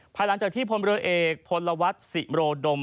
ภายหลังจากที่พลเรือเอกพลวัฒน์สิโรดม